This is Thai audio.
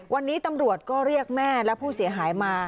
วันนี้ตำรวจก็เรียกแม่และผู้เสียหายมา